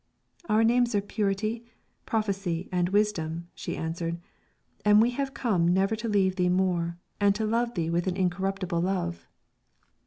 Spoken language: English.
"Our names are Purity, Prophecy, and Wisdom," she answered, "and we have come never to leave thee more, and to love thee with an incorruptible love."